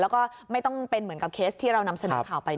แล้วก็ไม่ต้องเป็นเหมือนกับเคสที่เรานำเสนอข่าวไปด้วย